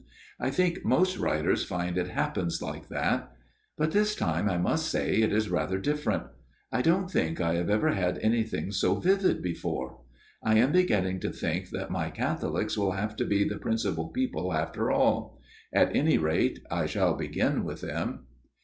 I think most writers find it happens like that. But this time I must say it is rather different : I don't think I have ever had anything so vivid before. I am beginning to think that my Catholics will have to be the principal people after all. At any rate, I shall begin with them."